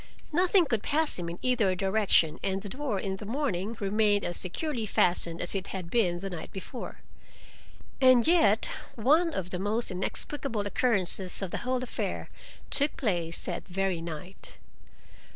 Nothing could pass him in either direction, and the door in the morning remained as securely fastened as it had been the night before. And yet one of the most inexplicable occurrences of the whole affair took place that very night.